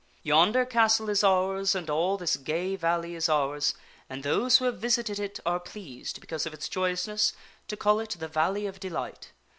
Yonder castle is ours and all this gay valley is ours, and those who have visited it are pleased, because of its joyousness, to call it the Valley of Delight.